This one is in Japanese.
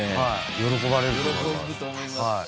喜ばれると思います。